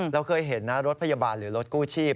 เราเคยเห็นนะรถพยาบาลหรือรถกู้ชีพ